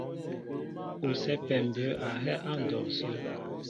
Ú sɛ́pɛ mbə̌ a hɛ́ á ndɔw sə́.